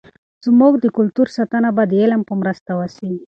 زموږ د کلتور ساتنه به د علم په مرسته وسي.